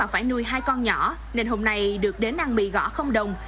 hai con nhỏ nên hôm nay được đến ăn mì gõ không đồng